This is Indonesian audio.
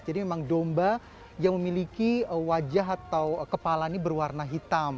jadi memang domba yang memiliki wajah atau kepala ini berwarna hitam